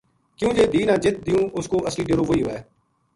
کیوں جے دھِی نا جِت دِیوں اس کو اصلی ڈیرو وُہی وھے “